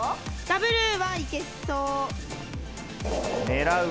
ダブルはいけそう。